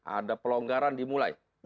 ada pelonggaran dimulai